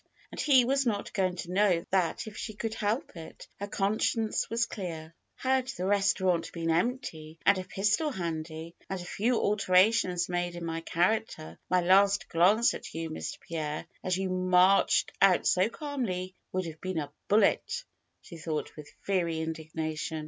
And he was not going to know that if she could help it. Her conscience was clear. ^^Had the restaurant been empty and a pistol handy, and a few alterations made in my character, my last glance at you, Mr. Pierre, as you marched out so calmly, would have been a bullet," she thought with fiery in dignation.